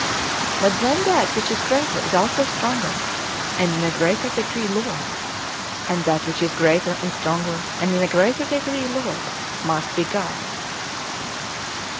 But then that which is greater is also stronger, and in a greater degree Lord ; and that "vvhich is greater, and stronger, and in a greater degree Lord — must be God.